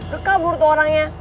dekabur tuh orangnya